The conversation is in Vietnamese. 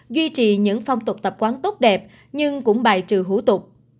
duy trì những phong tục tập quán tốt đẹp nhưng cũng bài trừ hủ tục